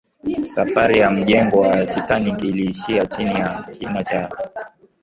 safari ya mjengo wa titanic iliishia chini ya kina cha atlantiki